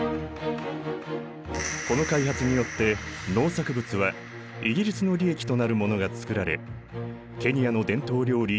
この開発によって農作物はイギリスの利益となる物が作られケニアの伝統料理